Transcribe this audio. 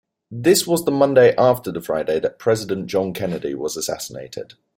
This was the Monday after the Friday that President John Kennedy was assassinated.